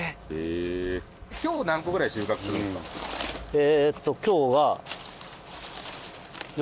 えっと今日は。